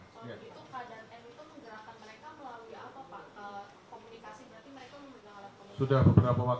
bisa di jelopet